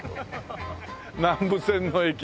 南武線の駅。